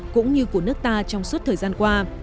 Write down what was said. cũng như của nước ta trong suốt thời gian qua